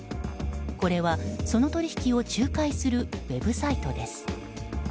これは、その取引を仲介するウェブサイトです。